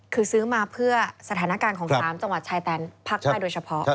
คือซื้อมาเพื่อสถานการณ์ของ๓จังหวัดชายแดนภาคใต้โดยเฉพาะ